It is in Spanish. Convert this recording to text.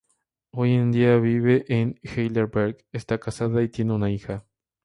Hoy en día vive en Heidelberg, está casada y tiene una hija.